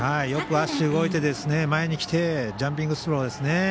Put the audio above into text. よく足が動いて、前に来てジャンピングスローですね。